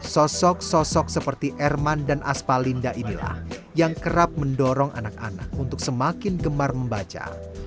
sosok sosok seperti erman dan aspa linda inilah yang kerap mendorong anak anak untuk semakin gemar membaca